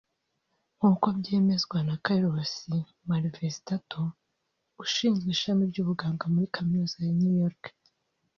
nk’uko byemezwa na Carlos Malvestutto ushinzwe ishami ry’ubuganga muri kaminuza ya New York